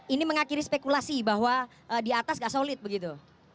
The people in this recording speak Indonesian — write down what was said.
ini mengakhiri spekulasi bahwa di atas gak solid begitu